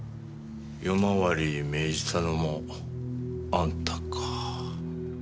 夜回りを命じたのもあんたか。